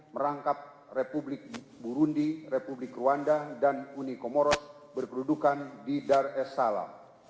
merangkap republik burundi republik rwanda dan uni komoros berkedudukan di dar es sala